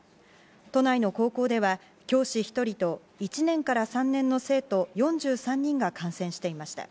都内の高校では、教師１人と１年から３年の生徒４３人が感染していました。